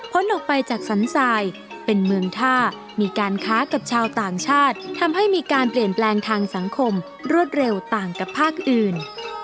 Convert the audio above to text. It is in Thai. ออกไปจากสันทรายเป็นเมืองท่ามีการค้ากับชาวต่างชาติทำให้มีการเปลี่ยนแปลงทางสังคมรวดเร็วต่างกับภาคอื่น